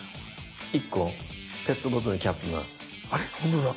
１個ペットボトルキャップが。